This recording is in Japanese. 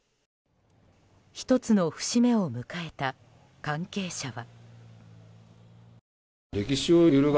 １つの節目を迎えた関係者は。